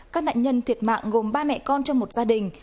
các nạn nhân thiệt mạng gồm ba mẹ con trong một gia đình